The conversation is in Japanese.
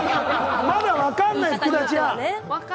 まだわかんないのよ、福田ちゃん。